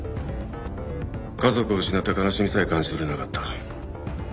家族を失った悲しみさえ感じ取れなかった。